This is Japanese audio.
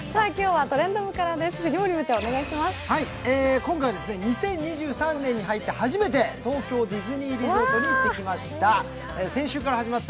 今回は２０２３年に入って初めて、東京ディズニーリゾートに行ってきました。